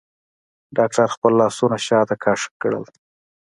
ډاکتر خپل لاسونه شاته کښ کړل.